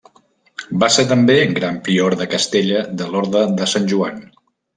Va ser també gran prior de Castella de l'Orde de Sant Joan.